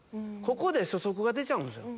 ここで初速が出ちゃうんですよ